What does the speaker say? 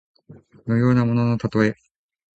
無用なもののたとえ。